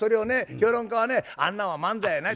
評論家はねあんなんは漫才やない。